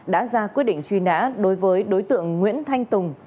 đã ra quyết định truy nã đối với đối tượng nguyễn thanh tùng